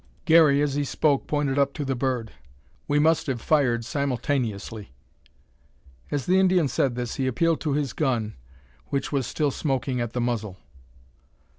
Garey, as he spoke, pointed up to the bird. "We must have fired simultaneously." As the Indian said this he appealed to his gun, which was still smoking at the muzzle.